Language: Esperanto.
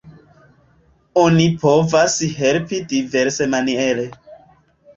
Oni povas helpi diversmaniere.